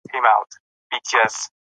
هندوکش د دوامداره پرمختګ لپاره اړین دی.